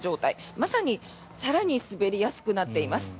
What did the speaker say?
まさに更に、滑りやすくなっています。